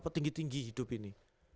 tinggi tinggi hidup ini